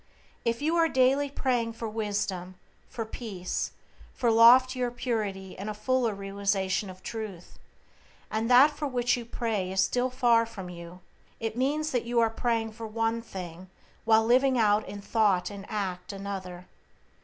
If you are daily praying for wisdom, for peace, for loftier purity and a fuller realization of Truth, and that for which you pray is still far from you, it means that you are praying for one thing while living out in thought and act another.